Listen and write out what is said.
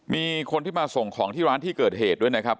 มีคนที่มาส่งของที่ร้านที่เกิดเหตุด้วยนะครับ